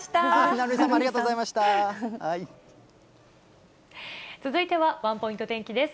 鳴海さんもありがとうござい続いては、ワンポイント天気です。